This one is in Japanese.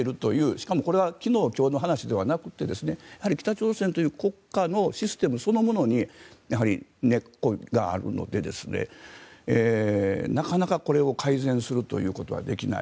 しかもこれは昨日今日の話ではなくやはり北朝鮮という国家のシステムそのものにやはり、根っこがあるのでなかなかこれを改善するということはできない。